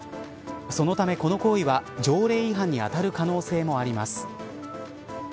そのためこの行為は条例違反に当たる可能性もあります。